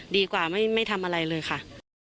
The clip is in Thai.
ดีกว่าไม่ทำอะไรเลยค่ะ